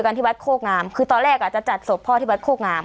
ที่วัดโคกงามคือตอนแรกอ่ะจะจัดศพพ่อที่วัดโคกงาม